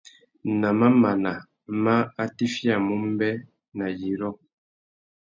Nà mamana má atiffiyamú mbê, nà yirô.